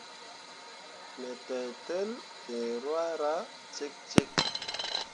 Me teitel fiŋ ruahra cikcik.